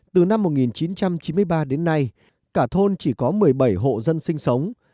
từ năm một nghìn chín trăm chín mươi ba đến nay cả thôn chỉ có một mươi bảy hộ dân sinh sống